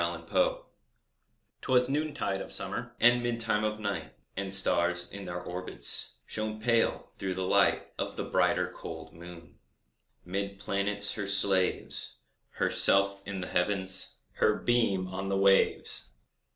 EVENING STAR 'Twas noontide of summer, And midtime of night, And stars, in their orbits, Shone pale, through the light Of the brighter, cold moon. 'Mid planets her slaves, Herself in the Heavens, Her beam on the waves.